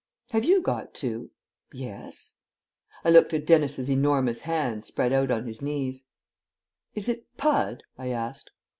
"Have you got two?" "Yes." I looked at Dennis's enormous hands spread out on his knees. "Is it 'pud'?" I asked.